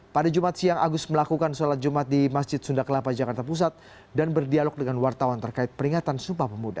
pada jumat siang agus melakukan sholat jumat di masjid sunda kelapa jakarta pusat dan berdialog dengan wartawan terkait peringatan sumpah pemuda